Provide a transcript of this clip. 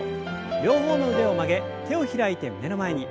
両方の腕を曲げ手を開いて胸の前に。